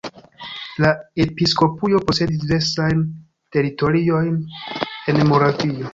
La episkopujo posedis diversajn teritoriojn en Moravio.